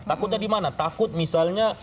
takutnya di mana takut misalnya